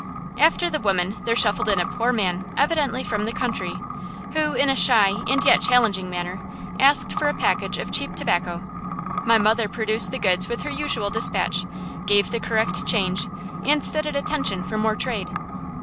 After the woman there shuffled in a poor man evidently from the country, who, in a shy and yet challenging manner, asked for a package of cheap tobacco. My mother produced the goods with her usual dispatch, gave the correct change, and stood at attention for more trade.